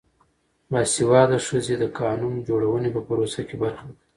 باسواده ښځې د قانون جوړونې په پروسه کې برخه اخلي.